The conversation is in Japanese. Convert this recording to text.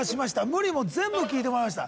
無理も全部きいてもらいました！